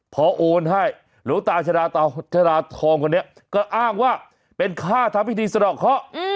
พอโอนให้หลวงตาชดาทองคนนี้ก็อ้างว่าเป็นค่าทำพิธีสะดอกเคาะ